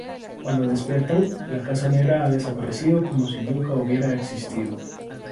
Cuando despiertan, la Casa Negra ha desaparecido como si nunca hubiera existido.